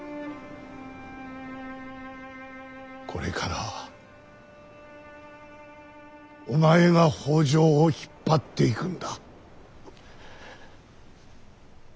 これからはお前が北条を引っ張っていくんだ。